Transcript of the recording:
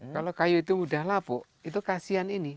kalau kayu itu udah lapuk itu kasian ini